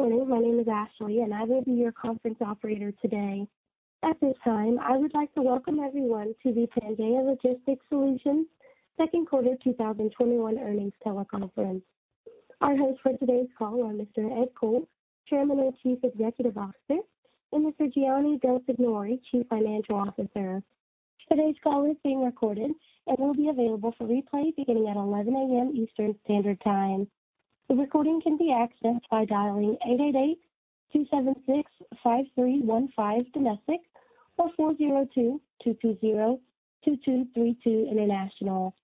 Good morning. My name is Ashley, and I will be your conference operator today. At this time, I would like to welcome everyone to the Pangaea Logistics Solutions Second Quarter 2021 Earnings Teleconference. Our hosts for today's call are Mr. Ed Coll, Chairman and Chief Executive Officer, and Mr. Gianni Del Signore, Chief Financial Officer. Today's call is being recorded and will be available for replay beginning at 11:00 A.M. Eastern Standard Time. The recording can be accessed by dialing 888-276-5315 domestic or 402-220-2232 international.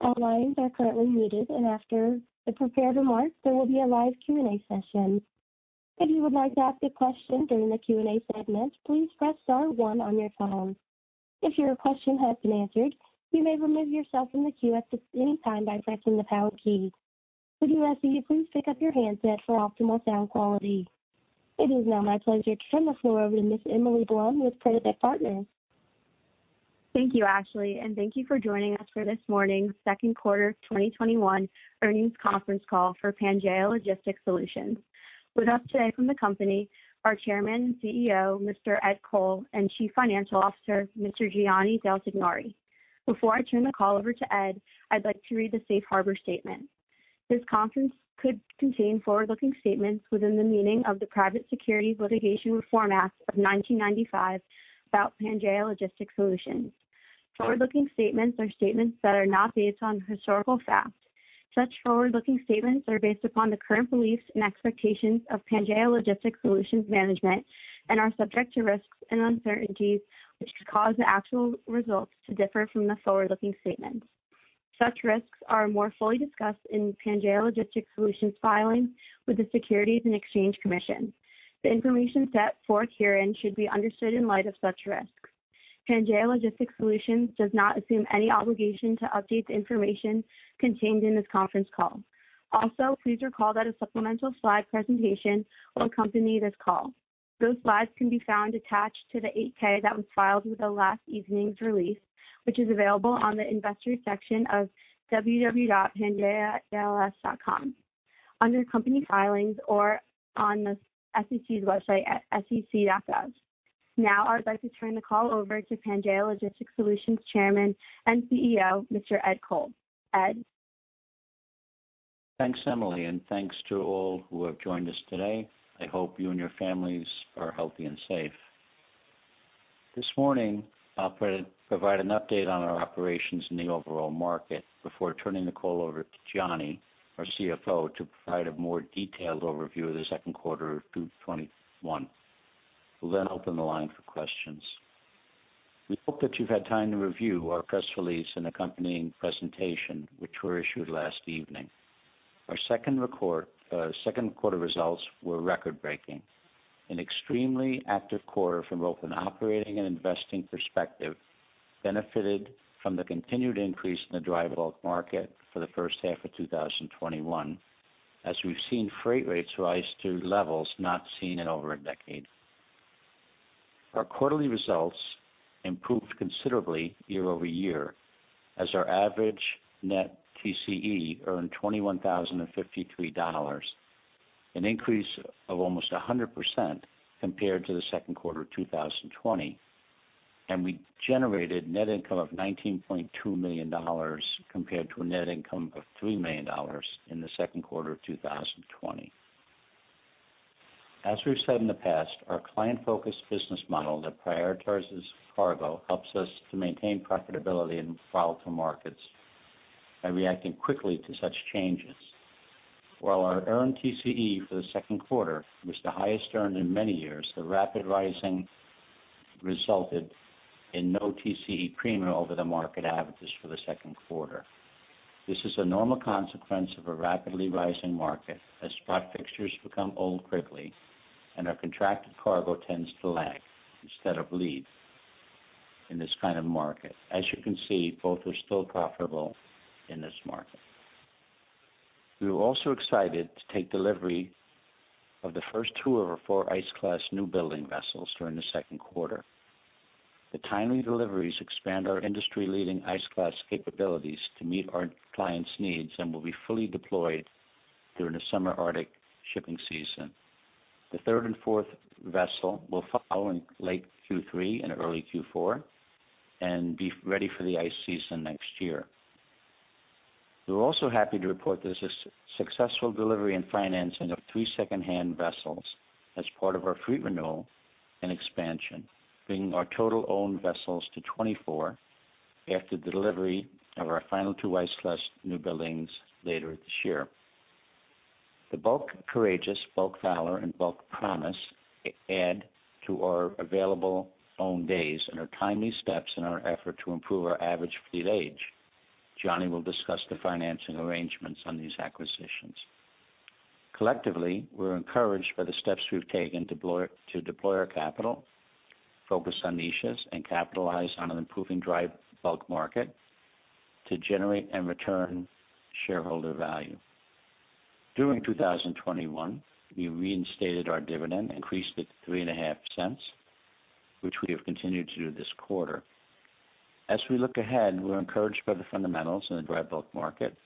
All lines are currently muted, and after the prepared remarks, there will be a live Q&A session. If you would like to ask a question during the Q&A segment, please press star one on your phone. If your question has been answered, you may remove yourself from the queue at any time by pressing the power key. Would you also please pick up your handset for optimal sound quality? It is now my pleasure to turn the floor over to Ms. Emily Blum with Prosek Partners. Thank you, Ashley, and thank you for joining us for this morning's Second Quarter 2021 earnings conference call for Pangaea Logistics Solutions. With us today from the company are Chairman and CEO Mr. Ed Coll and Chief Financial Officer Mr. Gianni Del Signore. Before I turn the call over to Ed, I'd like to read the Safe Harbor Statement. This conference call could contain forward-looking statements within the meaning of the Private Securities Litigation Reform Act of 1995 about Pangaea Logistics Solutions. Forward-looking statements are statements that are not based on historical fact. Such forward-looking statements are based upon the current beliefs and expectations of Pangaea Logistics Solutions management and are subject to risks and uncertainties which could cause the actual results to differ from the forward-looking statements. Such risks are more fully discussed in Pangaea Logistics Solutions filings with the Securities and Exchange Commission. The information set forth herein should be understood in light of such risks. Pangaea Logistics Solutions does not assume any obligation to update the information contained in this conference call. Also, please recall that a supplemental slide presentation will accompany this call. Those slides can be found attached to the 8-K that was filed with the last evening's release, which is available on the investor section of www.pangaea-ls.com under company filings or on the SEC's website at sec.gov. Now, I'd like to turn the call over to Pangaea Logistics Solutions Chairman and CEO Mr. Ed Coll, Ed. Thanks, Emily, and thanks to all who have joined us today. I hope you and your families are healthy and safe. This morning, I'll provide an update on our operations and the overall market before turning the call over to Gianni, our CFO, to provide a more detailed overview of the second quarter of 2021. We'll then open the line for questions. We hope that you've had time to review our press release and accompanying presentation, which were issued last evening. Our second quarter results were record-breaking. An extremely active quarter from both an operating and investing perspective benefited from the continued increase in the dry bulk market for the first half of 2021, as we've seen freight rates rise to levels not seen in over a decade. Our quarterly results improved considerably year over year as our average net TCE earned $21,053, an increase of almost 100% compared to the second quarter of 2020, and we generated net income of $19.2 million compared to a net income of $3 million in the second quarter of 2020. As we've said in the past, our client-focused business model that prioritizes cargo helps us to maintain profitability and volatile markets by reacting quickly to such changes. While our earned TCE for the second quarter was the highest earned in many years, the rapid rising resulted in no TCE premium over the market averages for the second quarter. This is a normal consequence of a rapidly rising market as spot fixtures become old quickly and our contracted cargo tends to lag instead of lead in this kind of market. As you can see, both are still profitable in this market. We were also excited to take delivery of the first two of our four Ice class new building vessels during the second quarter. The timely deliveries expand our industry-leading Ice class capabilities to meet our clients' needs and will be fully deployed during the summer Arctic shipping season. The third and fourth vessel will follow in late Q3 and early Q4 and be ready for the Ice season next year. We're also happy to report this successful delivery and financing of three second-hand vessels as part of our fleet renewal and expansion, bringing our total owned vessels to 24 after the delivery of our final two Ice class new buildings later this year. The Bulk Courageous, Bulk Valor, and Bulk Promise add to our available owned days and are timely steps in our effort to improve our average fleet age. Gianni will discuss the financing arrangements on these acquisitions. Collectively, we're encouraged by the steps we've taken to deploy our capital, focus on niches, and capitalize on an improving dry bulk market to generate and return shareholder value. During 2021, we reinstated our dividend, increased it $0.035, which we have continued to do this quarter. As we look ahead, we're encouraged by the fundamentals in the dry bulk market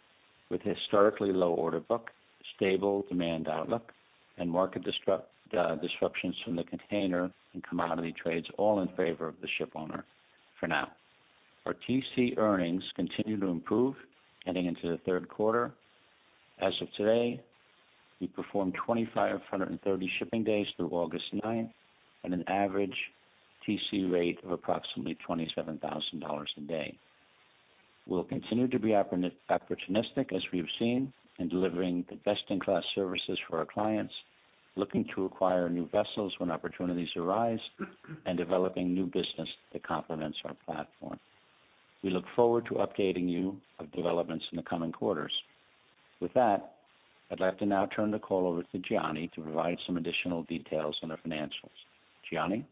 with historically low order book, stable demand outlook, and market disruptions from the container and commodity trades, all in favor of the shipowner for now. Our TC earnings continue to improve heading into the third quarter. As of today, we performed 2,530 shipping days through August 9th at an average TC rate of approximately $27,000 a day. We'll continue to be opportunistic as we've seen in delivering the best-in-class services for our clients, looking to acquire new vessels when opportunities arise, and developing new business that complements our platform. We look forward to updating you of developments in the coming quarters. With that, I'd like to now turn the call over to Gianni to provide some additional details on our financials. Gianni?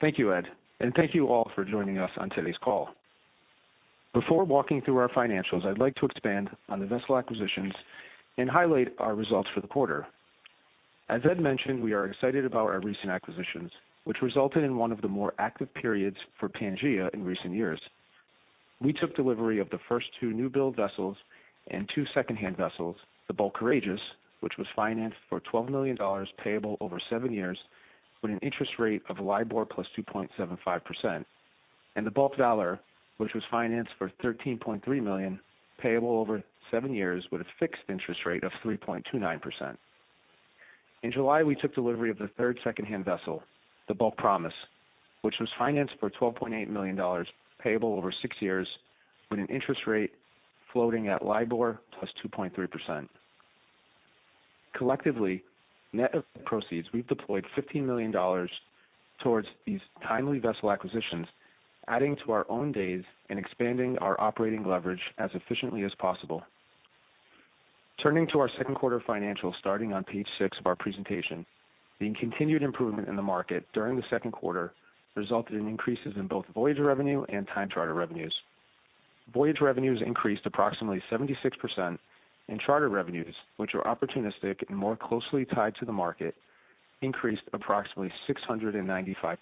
Thank you, Ed, and thank you all for joining us on today's call. Before walking through our financials, I'd like to expand on the vessel acquisitions and highlight our results for the quarter. As Ed mentioned, we are excited about our recent acquisitions, which resulted in one of the more active periods for Pangaea in recent years. We took delivery of the first two new build vessels and two second-hand vessels, the Bulk Courageous, which was financed for $12 million payable over seven years with an interest rate of LIBOR plus 2.75%, and the Bulk Valor, which was financed for $13.3 million payable over seven years with a fixed interest rate of 3.29%. In July, we took delivery of the third second-hand vessel, the Bulk Promise, which was financed for $12.8 million payable over six years with an interest rate floating at Libor plus 2.3%. Collectively, net of proceeds, we've deployed $15 million towards these timely vessel acquisitions, adding to our own days and expanding our operating leverage as efficiently as possible. Turning to our second quarter financials starting on page six of our presentation, the continued improvement in the market during the second quarter resulted in increases in both voyage revenue and time charter revenues. Voyage revenues increased approximately 76%, and charter revenues, which are opportunistic and more closely tied to the market, increased approximately 695%.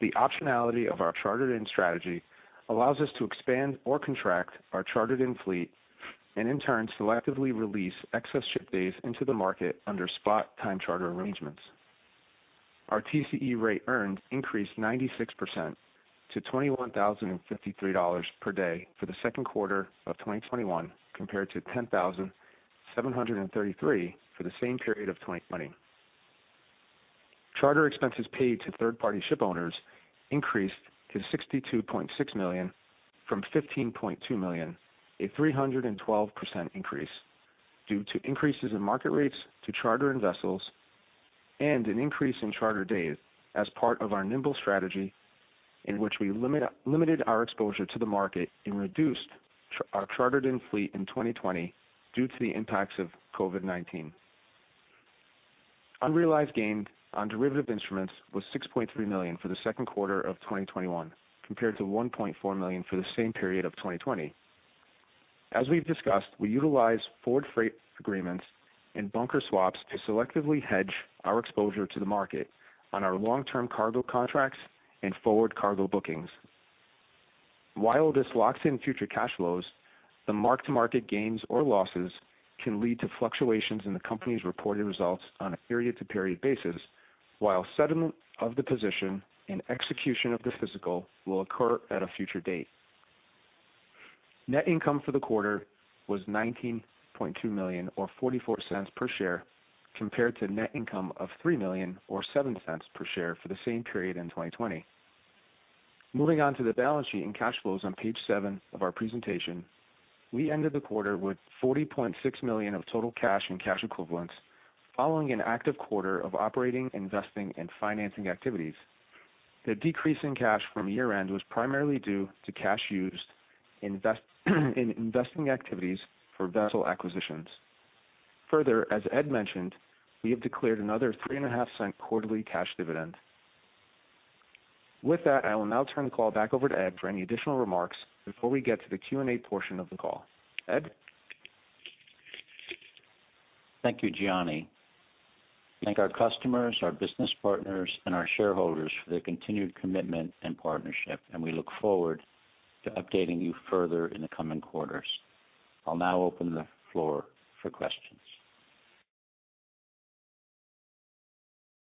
The optionality of our chartered-in strategy allows us to expand or contract our chartered-in fleet and, in turn, selectively release excess ship days into the market under spot time charter arrangements. Our TCE rate earned increased 96% to $21,053 per day for the second quarter of 2021 compared to $10,733 for the same period of 2020. Charter expenses paid to third-party shipowners increased to $62.6 million from $15.2 million, a 312% increase due to increases in market rates to chartered-in vessels and an increase in charter days as part of our nimble strategy in which we limited our exposure to the market and reduced our chartered-in fleet in 2020 due to the impacts of COVID-19. Unrealized gain on derivative instruments was $6.3 million for the second quarter of 2021 compared to $1.4 million for the same period of 2020. As we've discussed, we utilize forward freight agreements and bunker swaps to selectively hedge our exposure to the market on our long-term cargo contracts and forward cargo bookings. While this locks in future cash flows, the mark-to-market gains or losses can lead to fluctuations in the company's reported results on a period-to-period basis, while settlement of the position and execution of the physical will occur at a future date. Net income for the quarter was $19.2 million, or $0.44 per share, compared to net income of $3 million, or $0.07 per share for the same period in 2020. Moving on to the balance sheet and cash flows on page seven of our presentation, we ended the quarter with $40.6 million of total cash and cash equivalents following an active quarter of operating, investing, and financing activities. The decrease in cash from year-end was primarily due to cash used in investing activities for vessel acquisitions. Further, as Ed mentioned, we have declared another $0.035 quarterly cash dividend. With that, I will now turn the call back over to Ed for any additional remarks before we get to the Q&A portion of the call. Ed? Thank you, Gianni. Thank our customers, our business partners, and our shareholders for their continued commitment and partnership, and we look forward to updating you further in the coming quarters. I'll now open the floor for questions.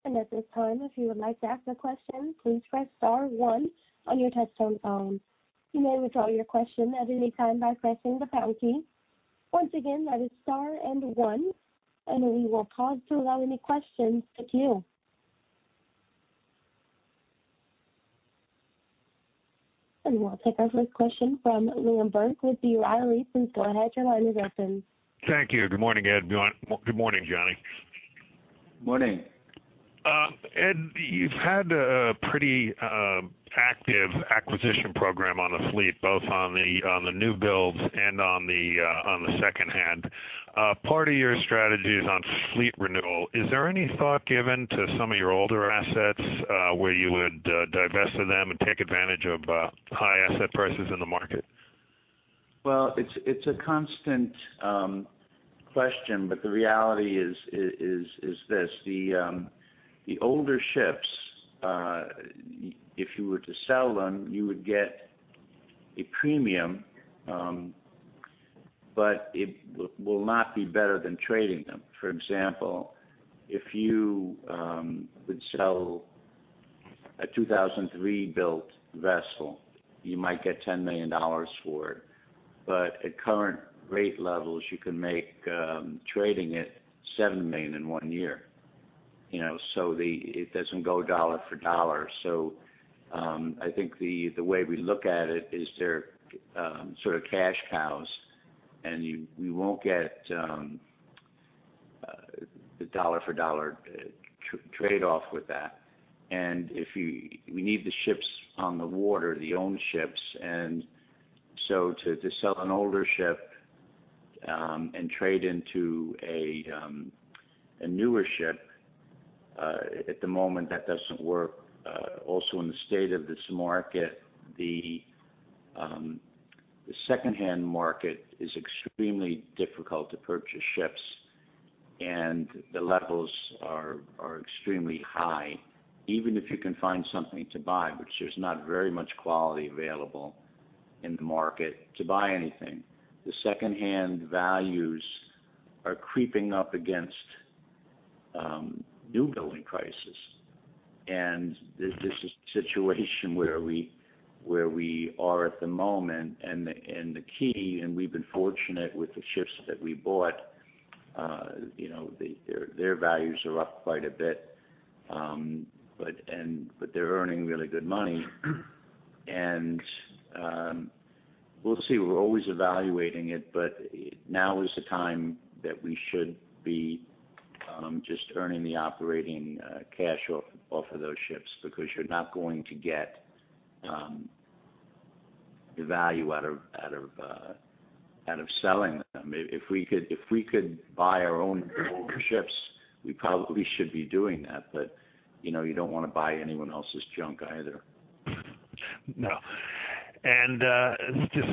At this time, if you would like to ask a question, please press star one on your touchtone phone. You may withdraw your question at any time by pressing the pound key. Once again, that is star and one, and we will pause to allow any questions to queue. We'll take our first question from Liam Burke with B. Riley. Please go ahead. Your line is open. Thank you. Good morning, Ed. Good morning, Gianni. Morning. Ed, you've had a pretty active acquisition program on the fleet, both on the new builds and on the second-hand. Part of your strategy is on fleet renewal. Is there any thought given to some of your older assets where you would divest of them and take advantage of high asset prices in the market? It's a constant question, but the reality is this. The older ships, if you were to sell them, you would get a premium, but it will not be better than trading them. For example, if you would sell a 2003-built vessel, you might get $10 million for it. But at current rate levels, you can make trading it $7 million in one year. So it doesn't go dollar for dollar. So I think the way we look at it is there are sort of cash cows, and we won't get the dollar-for-dollar trade-off with that. And we need the ships on the water, the owned ships. And so to sell an older ship and trade into a newer ship at the moment, that doesn't work. Also, in the state of this market, the second-hand market is extremely difficult to purchase ships, and the levels are extremely high. Even if you can find something to buy, which there's not very much quality available in the market to buy anything, the second-hand values are creeping up against new building prices, and this is a situation where we are at the moment. And the key, and we've been fortunate with the ships that we bought, their values are up quite a bit, but they're earning really good money, and we'll see. We're always evaluating it, but now is the time that we should be just earning the operating cash off of those ships because you're not going to get the value out of selling them. If we could buy our own ships, we probably should be doing that, but you don't want to buy anyone else's junk either. No. And just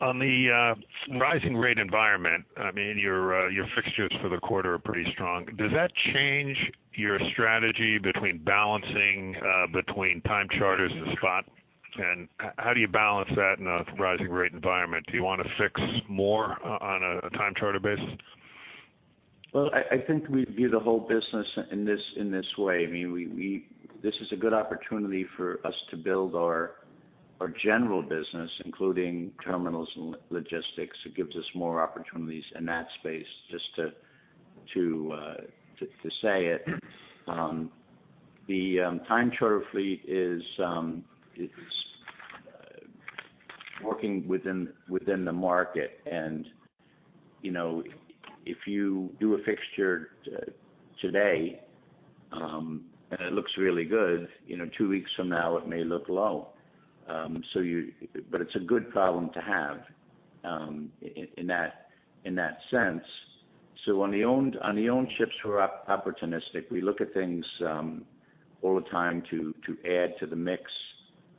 on the rising rate environment, I mean, your fixtures for the quarter are pretty strong. Does that change your strategy between balancing between time charters and spot? And how do you balance that in a rising rate environment? Do you want to fix more on a time charter basis? I think we view the whole business in this way. I mean, this is a good opportunity for us to build our general business, including terminals and logistics. It gives us more opportunities in that space, just to say it. The time charter fleet is working within the market. If you do a fixture today and it looks really good, two weeks from now, it may look low. It's a good problem to have in that sense. On the owned ships, we're opportunistic. We look at things all the time to add to the mix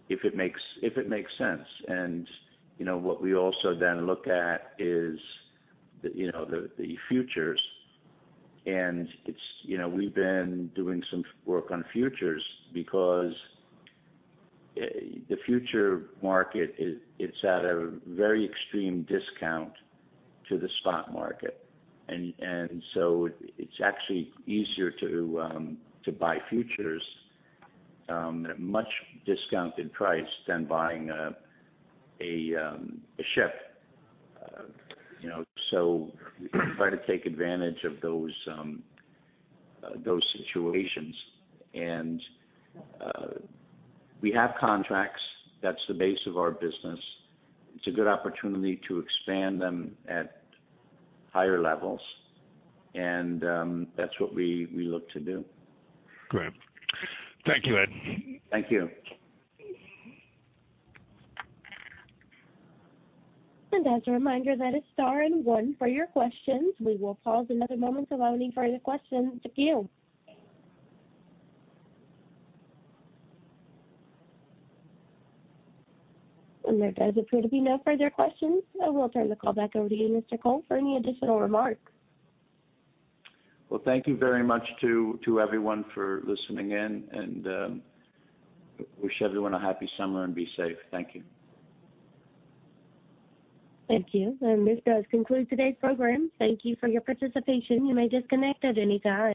if it makes sense. What we also then look at is the futures. We've been doing some work on futures because the future market, it's at a very extreme discount to the spot market. And so it's actually easier to buy futures at a much discounted price than buying a ship. So we try to take advantage of those situations. And we have contracts. That's the basis of our business. It's a good opportunity to expand them at higher levels. And that's what we look to do. Great. Thank you, Ed. Thank you. As a reminder, that is star and one for your questions. We will pause another moment to allow any further questions to queue. And there does appear to be no further questions. We'll turn the call back over to you, Mr. Coll, for any additional remarks. Thank you very much to everyone for listening in, and wish everyone a happy summer and be safe. Thank you. Thank you. And this does conclude today's program. Thank you for your participation. You may disconnect at any time.